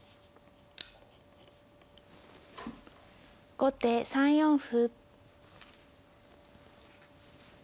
後手３四歩。